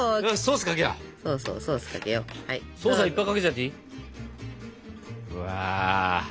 うわ。